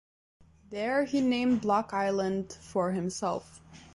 There he named Block Island for himself.